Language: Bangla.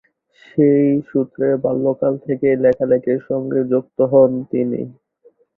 সেই সূত্রে বাল্যকাল থেকেই লেখালেখির সঙ্গে যুক্ত হন তিনি।